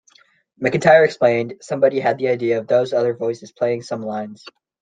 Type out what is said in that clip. McEntire explained, somebody had the idea of those other voices playing some lines.